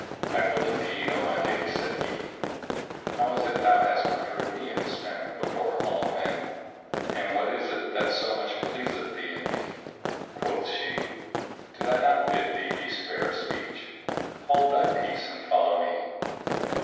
"I will indeed, O my lady," said he, "how is it thou hast preferred me in this matter before all men and what is it that so much pleaseth thee in me?" Quoth she, "Did I not bid thee be spare of speech? Hold thy peace and follow me.